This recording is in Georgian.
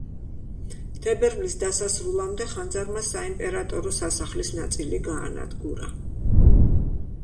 თებერვლის დასასრულამდე ხანძარმა საიმპერატორო სასახლის ნაწილი გაანადგურა.